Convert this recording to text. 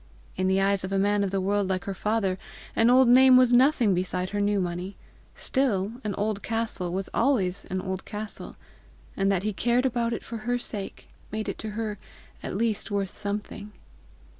In the eyes of a man of the world like her father, an old name was nothing beside new money! still an old castle was always an old castle! and that he cared about it for her sake made it to her at least worth something!